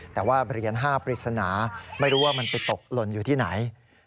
แต่ว่าเหรียญ๕ปริศนาไม่รู้ว่ามันไปตกหล่นอยู่ที่ไหน